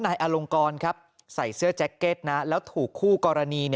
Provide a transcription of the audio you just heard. นายอลงกรใส่เสื้อแจ็คเก็ตแล้วถูกคู่กรณี